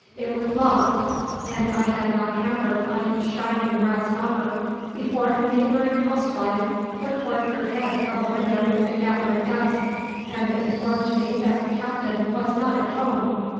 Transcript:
It was locked, and I had not hammered on its shining brass knocker before a neighbouring housewife put forth her head from a window in the gathering dusk, and informed me that the captain was not at home.